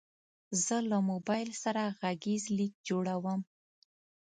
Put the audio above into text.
زه له موبایل سره غږیز لیک جوړوم.